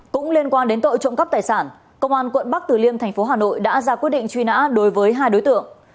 cũng liên quan đến tội trộm cắp tài sản công an quận bắc từ liêm thành phố hà nội đã ra quyết định truy nã đối với hai đối tượng